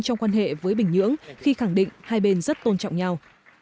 trong quan hệ với bình nhưỡng khi khẳng định hai bên rất tôn trọng nhau